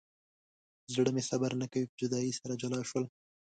زړه مې صبر نه کوي په جدایۍ سره جلا شول.